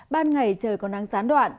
ban ngày trời còn đang sán đoạn